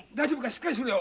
しっかりしろよ。